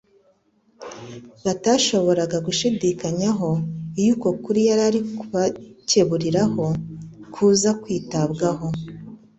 batashoboraga gushidikanyaho. Iyo uko kuri yari ari kubakeburiraho kuza kwitabwaho,.